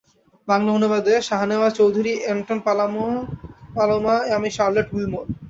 বাংলা অনুবাদেঃ Shahnewaz Chowdhury Anton Paloma আমি Charlotte Wilmore.